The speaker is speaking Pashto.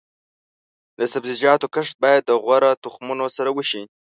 د سبزیجاتو کښت باید د غوره تخمونو سره وشي.